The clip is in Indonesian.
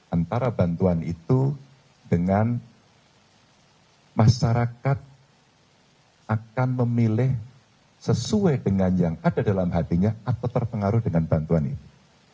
antara bantuan itu dengan masyarakat akan memilih sesuai dengan yang ada dalam hatinya atau terpengaruh dengan bantuan ini